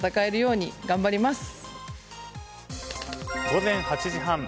午前８時半。